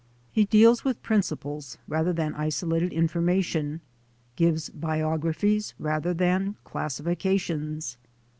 He deals with principles rather than isolated information, gives biographies rather than classifications.